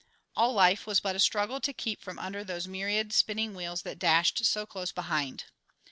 All life was but a struggle to keep from under those myriad spinning wheels that dashed so close behind.